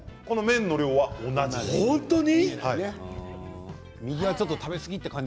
本当に？